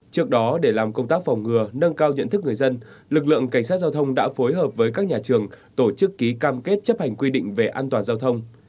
trước đó để làm công tác phòng ngừa nâng cao nhận thức người dân lực lượng cảnh sát giao thông đã phối hợp với các nhà trường tổ chức ký cam kết chấp hành quy định về an toàn giao thông